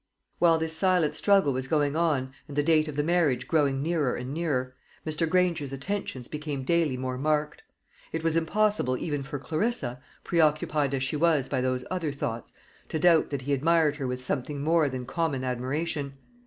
While this silent struggle was going on, and the date of the marriage growing nearer and nearer, Mr. Granger's attentions became daily more marked. It was impossible even for Clarissa, preoccupied as she was by those other thoughts, to doubt that he admired her with something more than common admiration.